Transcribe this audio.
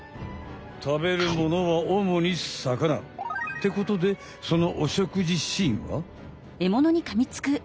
食べるものはおもにさかな。ってことでそのお食事シーンは。